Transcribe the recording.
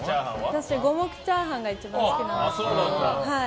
私、五目チャーハンが一番好きなんです。